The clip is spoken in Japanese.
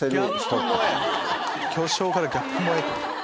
巨匠から「ギャップ萌え」。